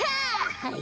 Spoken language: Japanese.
はい。